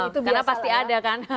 karena pasti ada kan